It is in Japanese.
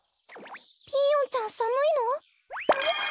ピーヨンちゃんさむいの？